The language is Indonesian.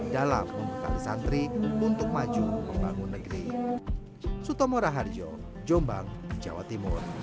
dalam membekali santri untuk maju membangun negeri